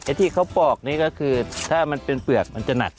ที่เขาปอกนี้ก็คือถ้ามันเป็นเปลือกมันจะหนัก